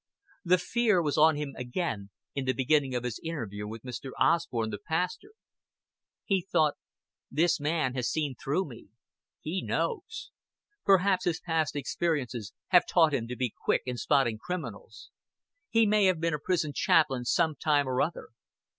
The fear was on him again in the beginning of his interview with Mr. Osborn the pastor. He thought: "This man has seen through me. He knows. Perhaps his past experiences have taught him to be quick in spotting criminals. He may have been a prison chaplain some time or other.